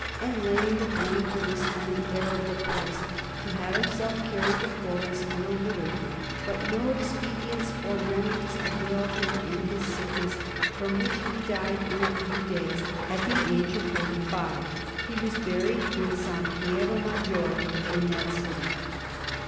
And laying the blame for this on the air of the place, he had himself carried to Florence in a litter; but no expedients or remedies availed him in his sickness, from which he died in a few days, at the age of forty five. He was buried in S. Piero Maggiore, in that city.